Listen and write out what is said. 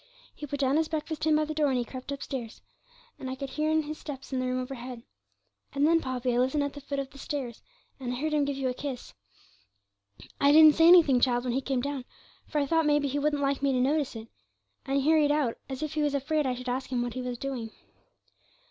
He put down his breakfast tin by the door, and he crept upstairs, and I could hear his steps in the room overhead, and then, Poppy, I listened at the foot of the stairs, and I heard him give you a kiss. I didn't say anything, child, when he came down, for I thought maybe he wouldn't like me to notice it, and he hurried out, as if he was afraid I should ask him what he was doing.